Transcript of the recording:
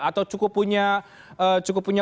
atau cukup punya potensi